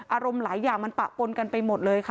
อารมณ์หลายอย่างมันปะปนกันไปหมดเลยค่ะ